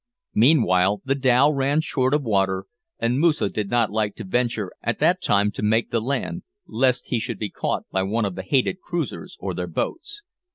Meanwhile the dhow ran short of water, and Moosa did not like to venture at that time to make the land, lest he should be caught by one of the hated cruisers or their boats.